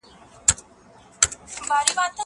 زه به سبا ځواب ليکم.